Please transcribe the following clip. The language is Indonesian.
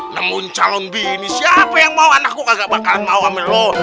namun calon bini siapa yang mau anakku kagak bakalan mau sama lo